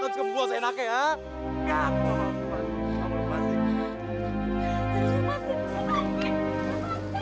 kamu bisa buang saya enaknya ya